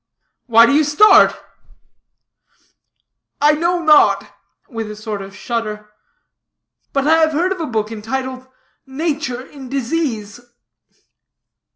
"Why do you start?" "I know not," with a sort of shudder, "but I have heard of a book entitled 'Nature in Disease.'"